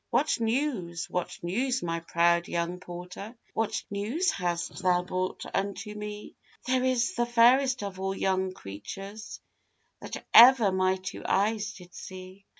'What news, what news, my proud young porter? What news hast thou brought unto me?' 'There is the fairest of all young creatures That ever my two eyes did see!